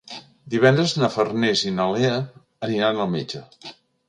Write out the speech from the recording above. Divendres na Farners i na Lea aniran al metge.